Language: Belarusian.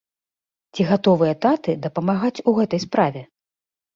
Ці гатовыя таты дапамагаць у гэтай справе?